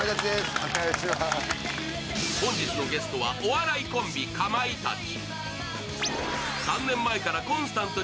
本日のゲストは、お笑いコンビかまいたち。